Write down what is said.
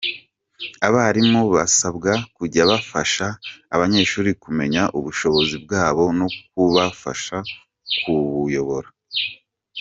Abarimu basabwa kujya bafasha abanyeshuri kumenya ubushobozi bwabo no kubafasha kubuyobora.